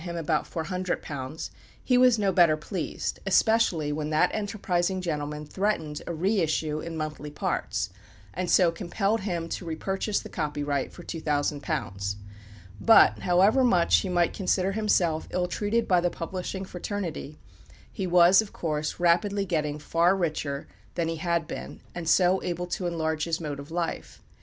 With Macrone also, who had made some £4,000 by the "Sketches," and given him about £400, he was no better pleased, especially when that enterprising gentleman threatened a re issue in monthly parts, and so compelled him to re purchase the copyright for £2,000. But however much he might consider himself ill treated by the publishing fraternity, he was, of course, rapidly getting far richer than he had been, and so able to enlarge his mode of life.